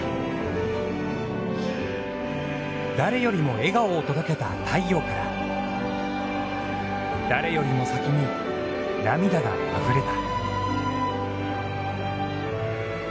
誰よりも笑顔を届けた太陽から誰よりも先に涙があふれた。